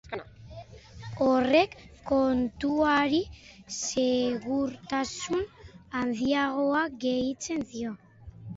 Horrek kontuari segurtasun handiagoa gehitzen dio.